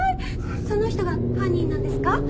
その人が犯人なんですか？